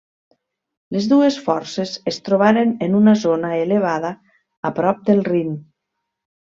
Les dues forces es trobaren en una zona elevada a prop del Rin.